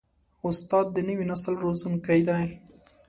استاد د نوي نسل روزونکی دی.